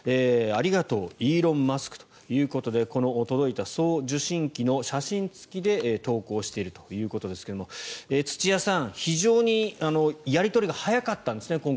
ありがとうイーロン・マスクということで届いた送受信機の写真付きで投稿しているということですが土屋さん、非常にやり取りが早かったんですね。